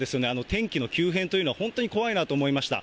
天気の急変というのは本当に怖いなと思いました。